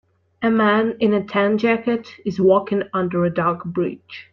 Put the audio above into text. A man in a tan jacket is walking under a dark bridge.